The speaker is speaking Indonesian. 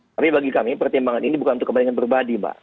tapi bagi kami pertimbangan ini bukan untuk kepentingan pribadi mbak